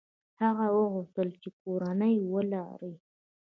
هغه وغوښتل چې کورنۍ ولري.